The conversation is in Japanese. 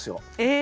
え！